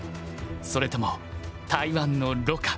それとも台湾の盧か。